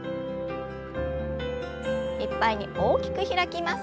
いっぱいに大きく開きます。